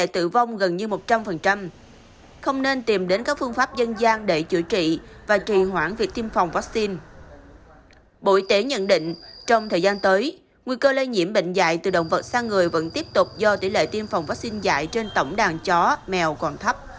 trong thời gian tới nguy cơ lây nhiễm bệnh dạy từ động vật sang người vẫn tiếp tục do tỷ lệ tiêm phòng vắc xin dạy trên tổng đàn chó mèo còn thấp